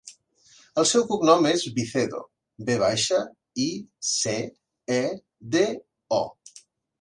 El seu cognom és Vicedo: ve baixa, i, ce, e, de, o.